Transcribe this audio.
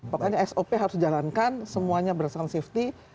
pokoknya sop harus dijalankan semuanya berdasarkan safety